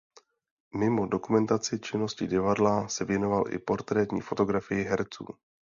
Mimo dokumentaci činnosti divadla se věnoval i portrétní fotografii herců.